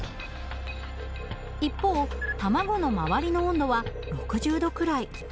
一方卵の周りの温度は６０度くらい。